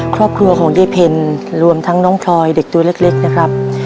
ครอบครัวของยายเพ็ญรวมทั้งน้องพลอยเด็กตัวเล็กนะครับ